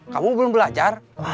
kamu belum belajar